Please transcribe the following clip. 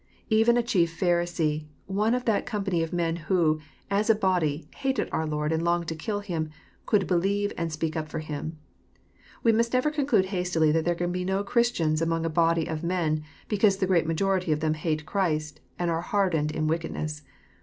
Even a chief Pharisee, one of that com pany of men who, as a body, hatea our Lord and longed to kill Him, could believe and speak up for Him. We must never con clude hastily that there can be no Christians among a body of men, because the great minority of them hate Christ, and are hardened in wickedness.